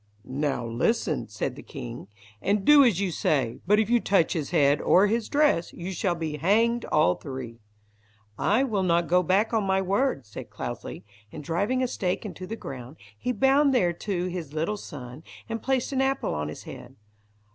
"Now listen," said the king, "and do as you say; but if you touch his head, or his dress, you shall be hanged all three." "I will not go back on my word," said Cloudesly; and driving a stake into the ground, he bound thereto his little son, and placed an apple on his head.